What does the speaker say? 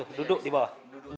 orang situ duduk di bawah